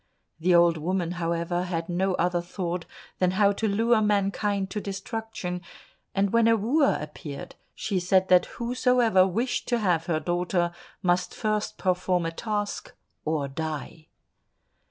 The old woman, however, had no other thought than how to lure mankind to destruction, and when a wooer appeared, she said that whosoever wished to have her daughter, must first perform a task, or die.